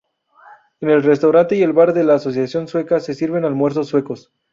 En el restaurante y el bar de la Asociación Sueca, se sirven almuerzos suecos.